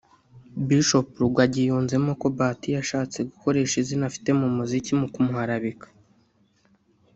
Bishop Rugagi yunzemo ko Bahati yashatse gukoresha izina afite mu muziki mu kumuharabika